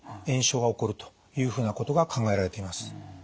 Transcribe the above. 炎症が起こるというふうなことが考えられています。